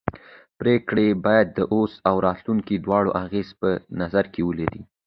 پرېکړې باید د اوس او راتلونکي دواړو اغېزې په نظر کې ولري